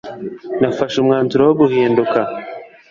nafashe umwanzuro wo guhinduka